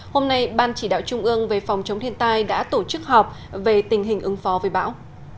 hôm nay ban chỉ đạo trung ương về phòng chống thiên tai đã tổ chức họp về tình hình ứng phó với bão